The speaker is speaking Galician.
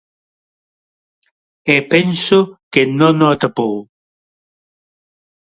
E penso que non o atopou.